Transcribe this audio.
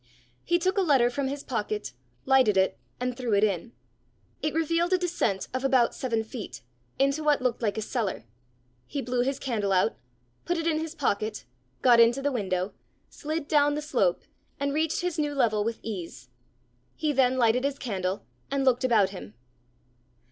He took a letter from his pocket, lighted it, and threw it in. It revealed a descent of about seven feet, into what looked like a cellar. He blew his candle out, put it in his pocket, got into the window, slid down the slope, and reached his new level with ease. He then lighted his candle, and looked about him.